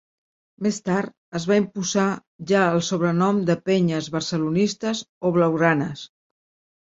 Més tard, es va imposar ja el sobrenom de penyes barcelonistes o blaugranes.